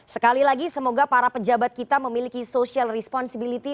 sekali lagi semoga para pejabat kita memiliki social responsibility